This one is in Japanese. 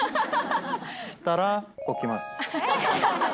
したら、起きます。